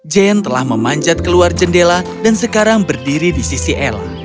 jane telah memanjat keluar jendela dan sekarang berdiri di sisi ella